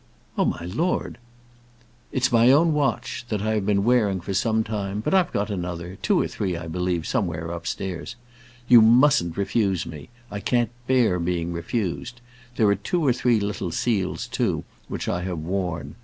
"Oh, my lord " "It's my own watch, that I have been wearing for some time; but I've got another; two or three, I believe, somewhere upstairs. You mustn't refuse me. I can't bear being refused. There are two or three little seals, too, which I have worn.